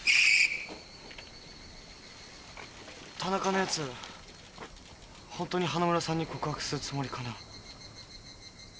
田中のヤツホントに花村さんに告白するつもりかな。